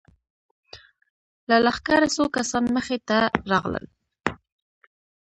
له لښکره څو کسان مخې ته راغلل.